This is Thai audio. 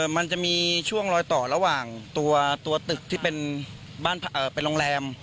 มันจะมีช่วงลอยต่อระหว่างตัวตึกที่เป็นโรงแรม